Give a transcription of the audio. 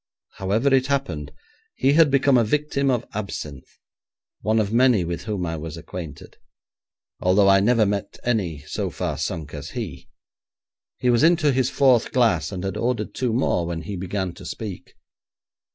However it happened, he had become a victim of absinthe, one of many with whom I was acquainted, although I never met any so far sunk as he. He was into his fourth glass, and had ordered two more when he began to speak.